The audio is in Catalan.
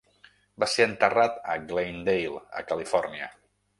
Va ser enterrat a Glendale, a Califòrnia.